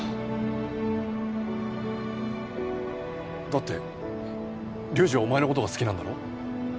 だって龍二はお前の事が好きなんだろ？